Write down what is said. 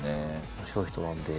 面白い人なんで。